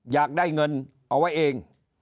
อยากได้เงินเอาไว้เอง